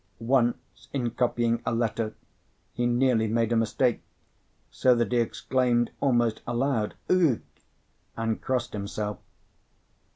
Once, in copying a letter, he nearly made a mistake, so that he exclaimed almost aloud, "Ugh!" and crossed himself.